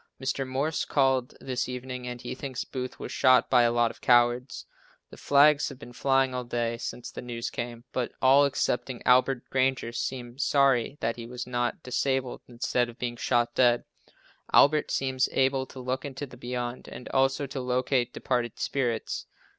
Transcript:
Mr. Morse called this evening and he thinks Booth was shot by a lot of cowards. The flags have been flying all day, since the news came, but all, excepting Albert Granger, seem sorry that he was not disabled instead of being shot dead. Albert seems able to look into the "beyond" and also to locate departed spirits.